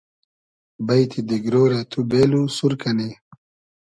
بݷتی دیگرۉ رۂ تو بېلو ، سور کئنی